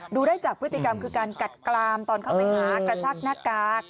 ดูได้จากพฤติกรรมคือการกัดกลามตอนเข้าไปหากระชากหน้ากาก